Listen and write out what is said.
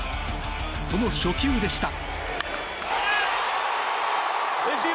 その初球でした。